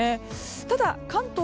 ただ、関東